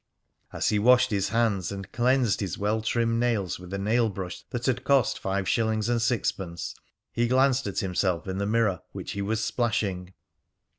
As he washed his hands and cleansed his well trimmed nails with a nail brush that had cost five shillings and sixpence, he glanced at himself in the mirror which he was splashing.